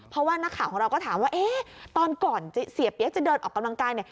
เพราะว่านักข่าวของเราก็ถามว่าเอ๊ะตอนก่อนเสียเปี๊ยกจะเดินออกกำลังกายเนี่ย